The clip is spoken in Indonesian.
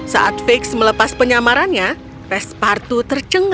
saat fix melepas penyamarannya pespartu tercengang